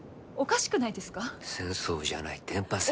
戦争じゃない電波戦だ。